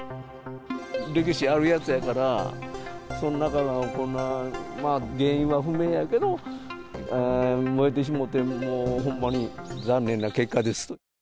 歴史あるやつやから、そんな中で原因は不明やけど、燃えてしもうて、もうほんまに残念な結果です。